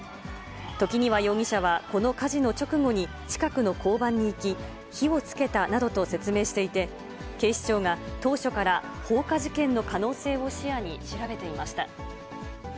時庭容疑者は、この火事の直後に近くの交番に行き、火をつけたなどと説明していて、警視庁が当初から放火事件の可能性を視野に調べていました。